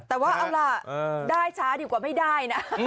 แต่ว่าเอาล่ะได้ช้าดีกว่าไม่ได้นะ